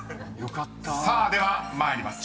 ［さあでは参ります］